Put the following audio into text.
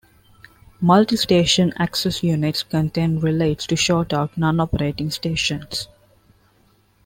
Multistation Access Units contain relays to short out non-operating stations.